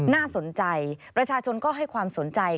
น่าสนใจประชาชนก็ให้ความสนใจ